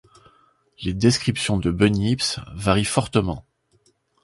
Les descriptions de bunyips varient fortement.